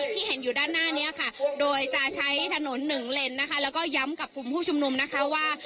ที่เห็นอยู่ด้านหน้านี้ค่ะโดยจะใช้ถนนหนึ่งเลนนะคะแล้วก็ย้ำกับกลุ่มผู้ชุมนุมนะคะว่า